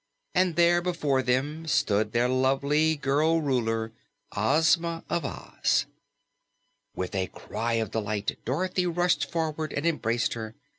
and there before them stood their lovely girl Ruler, Ozma of Oz. With a cry of delight, Dorothy rushed forward and embraced her.